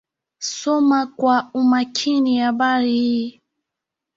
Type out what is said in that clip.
Soma kwa umakini Habari hii.